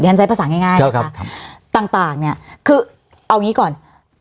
อย่างนั้นใช้ภาษาง่ายนะคะต่างคือเอาอย่างนี้ก่อน